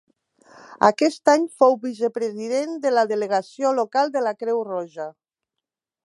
Aquest any fou vicepresident de la Delegació local de la Creu Roja.